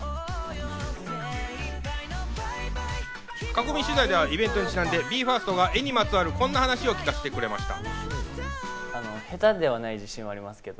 囲み取材ではイベントにちなんでＢＥ：ＦＩＲＳＴが絵にまつわるこんな話を聞かせてくれました。